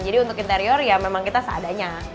jadi untuk interior ya memang kita seadanya